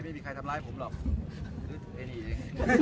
ไม่มีใครทำลายผมหรอกก็ให้ดีดี